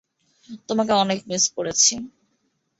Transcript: তোমাকে অনেক মিস করেছি।